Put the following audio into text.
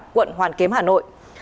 quận hoàn kiếm hà nội